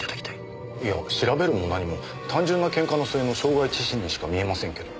いや調べるも何も単純なケンカの末の傷害致死にしか見えませんけど。